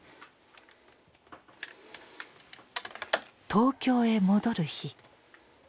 東京へ戻る日。